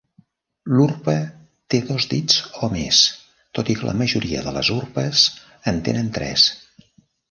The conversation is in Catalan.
L'urpa té dos dits o més, tot i que la majoria de les urpes en tenen tres.